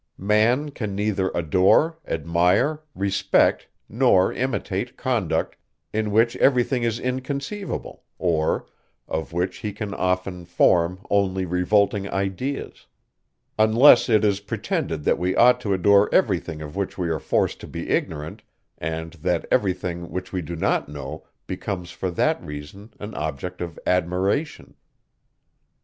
Man can neither adore, admire, respect, nor imitate conduct, in which every thing is inconceivable, or, of which he can often form only revolting ideas; unless it is pretended, that we ought to adore every thing of which we are forced to be ignorant, and that every thing, which we do not know, becomes for that reason an object of admiration.